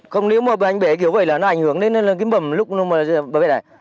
không nếu mà anh bể kiểu vậy là nó ảnh hưởng đến cái bầm lúc nó bởi vậy này